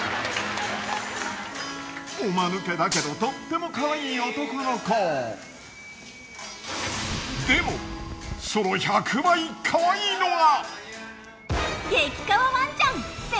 おまぬけだけどとってもかわいい男の子でもその１００倍カワイイのが。